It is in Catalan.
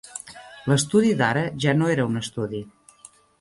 L'estudi d'ara ja no era un estudi